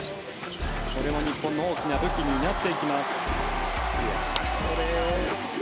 これも日本の大きな武器になっていきます。